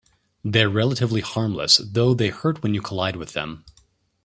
They are relatively harmless, though they hurt when you collide with them.